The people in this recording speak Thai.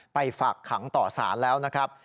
ฝากขังต่อสารแล้วนะครับ